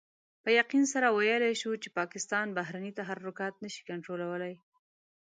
په يقين سره ويلای شو چې پاکستان بهرني تحرکات نشي کنټرولولای.